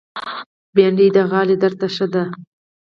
بېنډۍ د غاړې درد ته ښه ده